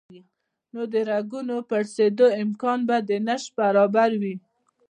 نو د رګونو پړسېدو امکان به د نشت برابر وي